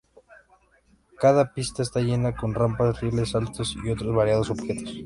Cada pista está llena con rampas, rieles, saltos y otros variados objetos.